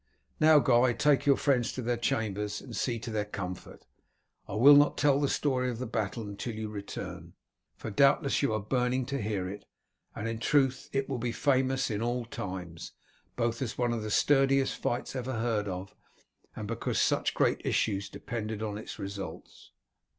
Now, Guy, take your friends to their chambers and see to their comfort. I will not tell the story of the battle until you return, for doubtless you are burning to hear it, and in truth it will be famous in all times, both as one of the sturdiest fights ever heard of, and because such great issues depended on its results."